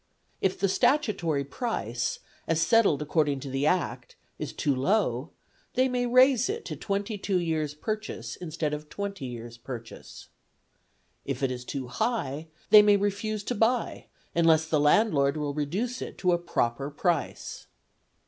If the statutory price, as settled according to the Act, is too low, they may raise it to twenty two years' purchase instead of twenty years' purchase. If it is too high, they may refuse to buy unless the landlord will reduce it to a proper price.